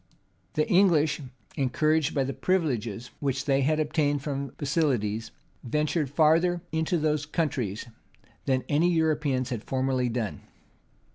[] The English, encouraged by the privileges which they had obtained from Basilides, ventured farther into those countries than any Europeans had formerly done.